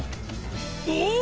おお！